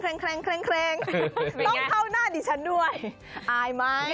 ต้องเข้าน่าฉันด้วยอายไหม